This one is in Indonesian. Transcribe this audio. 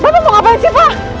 tapi mau ngapain sih pak